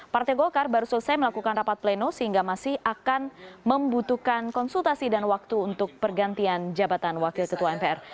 partai golkar baru selesai melakukan rapat pleno sehingga masih akan membutuhkan konsultasi dan waktu untuk pergantian jabatan wakil ketua mpr